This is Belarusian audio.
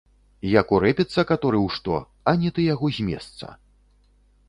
Як урэпіцца каторы ў што, ані ты яго з месца.